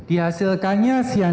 dihasilkannya cyanida pasca kematian